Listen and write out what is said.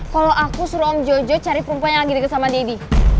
kalau aku suruh om jojo cari perempuan yang lagi deket sama deddy